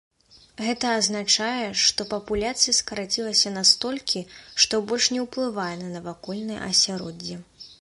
Гэта азначае, што папуляцыя скарацілася настолькі, што больш не ўплывае на навакольнае асяроддзе.